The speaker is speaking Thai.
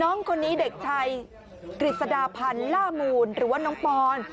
น้องคนนี้เด็กชายกฤษดาพันธ์ล่ามูลหรือว่าน้องปอน